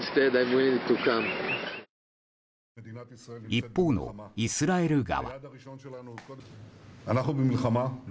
一方のイスラエル側。